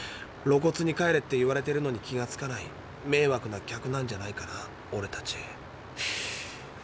ろこつに「帰れ」って言われてるのに気がつかない迷惑な客なんじゃないかなオレたち。